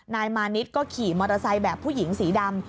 นายมานิดก็ขี่มอเตอร์ไซค์แบบผู้หญิงสีดำ